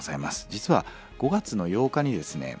実は５月の８日にですね